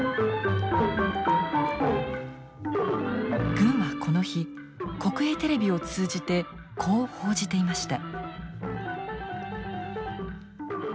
軍はこの日国営テレビを通じてこう報じていました。